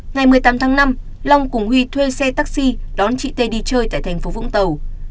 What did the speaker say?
ngày một mươi tám tháng năm long cùng huy thuê xe taxi đón chị tê đi chơi tại thành phố vũng tàu